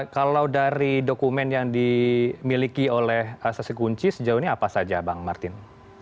kalau dari dokumen yang dimiliki oleh saksi kunci sejauh ini apa saja bang martin